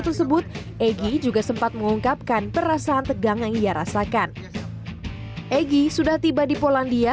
tersebut egy juga sempat mengungkapkan perasaan tegang yang ia rasakan egy sudah tiba di polandia